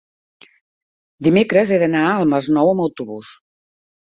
dimecres he d'anar al Masnou amb autobús.